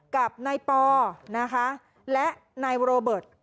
กับนายปอนะคะและนายโรเบิร์ต